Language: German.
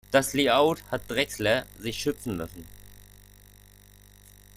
Das Layout hat Drechsler sich schützen lassen.